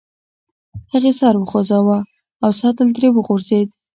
هغې سر وخوزاوه او سطل ترې وغورځید.